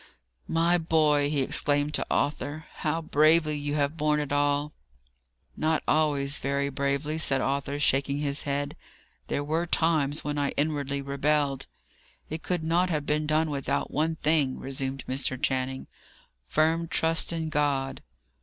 "My boy!" he exclaimed to Arthur, "how bravely you have borne it all!" "Not always very bravely," said Arthur, shaking his head. "There were times when I inwardly rebelled." "It could not have been done without one thing," resumed Mr. Channing: "firm trust in God."